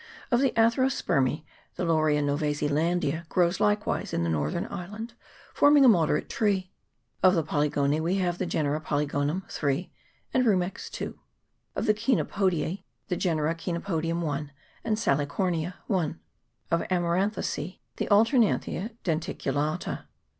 Of the Atherospermece, the Laurelia Nov. Zeland. grows likewise in the northern island, forming a moderate tree. Of the Polygonece we have the genera Polygonum (3) and Rumex ("2). Of the Chenopodieee the genera Chenopodium (1) and Salicornia (1). Of Amaranthacece~\he Alternant hia denticulata.